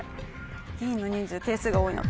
「議員の人数定数が多いのは？」